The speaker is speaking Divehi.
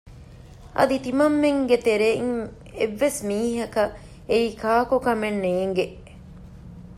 އަދި ތިމަންމެންގެ ތެރެއިން އެއްވެސް މީހަކަށް އެއީ ކާކު ކަމެއް ނޭނގޭ